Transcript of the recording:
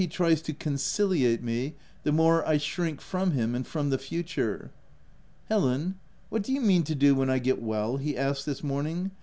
219 tries to conciliate me the more I shrink from him and from the future. '" Helen, what do you mean to do when I get well ?" he asked this morning.